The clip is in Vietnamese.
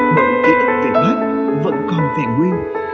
một kế ức về bác vẫn còn vẹn nguyên